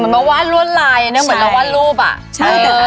มันมาวาดรวดลายเนี่ยเหมือนมาวาดรูปอะใช่เออ